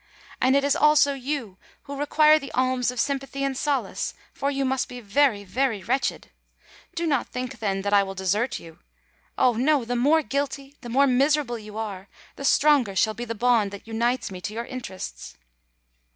And it is also you who require the alms of sympathy and solace; for you must be very—very wretched! Do not think, then, that I will desert you: oh! no—the more guilty, the more miserable you are, the stronger shall be the bond that unites me to your interests!"